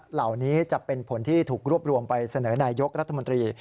เหล่านี้จะเป็นผลที่ถูกรวบรวมไปเสนอนายกรัฐมนตรี